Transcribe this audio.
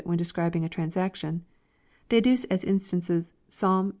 when describing a transaction. They adduce as instances Ps«Jni ii.